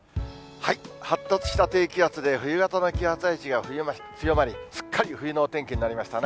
発達した低気圧で、冬型の気圧配置が強まり、すっかり冬のお天気になりましたね。